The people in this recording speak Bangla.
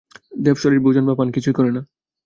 দেবশরীর ভোজন বা পান কিছুই করে না।